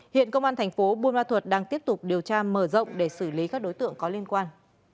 hiện công an thành phố buôn ma thuật đang tiếp tục điều tra mở rộng để xử lý các đối tượng có liên quan